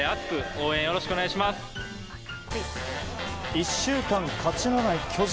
１週間勝ちがない巨人。